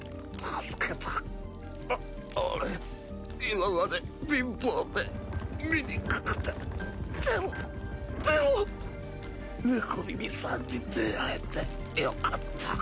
助けたお俺今まで貧乏で醜くてでもでも猫耳さんに出会えてよかった